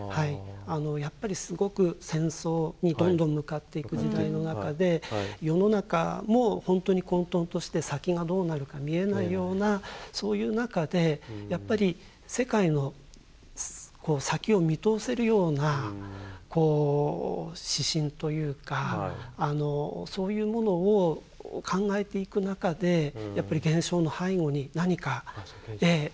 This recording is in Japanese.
やっぱりすごく戦争にどんどん向かっていく時代の中で世の中も本当に混沌として先がどうなるか見えないようなそういう中でやっぱり世界の先を見通せるようなこう指針というかそういうものを考えていく中でやっぱり現象の背後に何か。